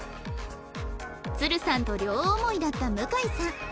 鶴さんと両思いだった向さん